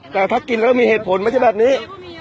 แต่ถ้ากินแล้วมีเหตุผลไม่ใช่แบบนี้